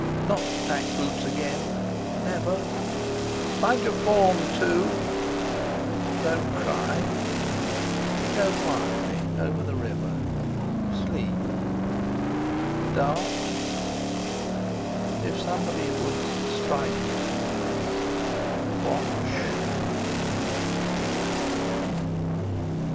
Not pack boots again? Never? "Mind your form, Two!" Don't cry! Go quietly—over the river—sleep!... Dark? If somebody would—strike—his—watch!...